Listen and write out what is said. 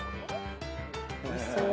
おいしそう。